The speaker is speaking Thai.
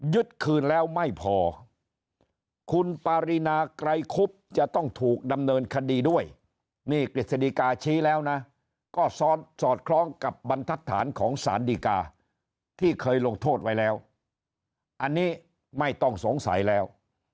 คืนแล้วไม่พอคุณปารีนาไกรคุบจะต้องถูกดำเนินคดีด้วยนี่กฤษฎีกาชี้แล้วนะก็สอดคล้องกับบรรทัศนของสารดีกาที่เคยลงโทษไว้แล้วอันนี้ไม่ต้องสงสัยแล้ว